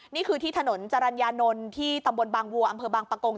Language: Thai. นี่คือที่ถนนจรรยานนท์ที่ตำบลบางวัวอำเภอบางปะกง